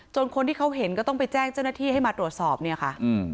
คนที่เขาเห็นก็ต้องไปแจ้งเจ้าหน้าที่ให้มาตรวจสอบเนี่ยค่ะ